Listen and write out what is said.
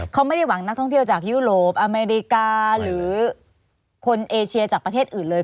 เขาไม่ได้หวังนักท่องเที่ยวจากยุโรปอเมริกาหรือคนเอเชียจากประเทศอื่นเลย